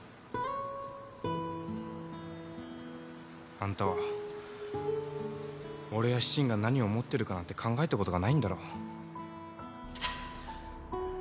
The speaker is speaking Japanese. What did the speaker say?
あんたは俺や森が何を思ってるかなんて考えたことがないんだろ。